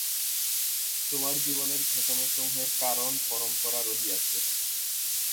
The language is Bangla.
তোমার জীবনের ঘটনাসমূহের কারণ-পরম্পরা রহিয়াছে।